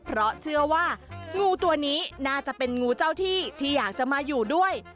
เพราะเชื่อว่างูตัวนี้น่าจะเป็นงูเจ้าที่ที่อยากจะมาอยู่ด้วย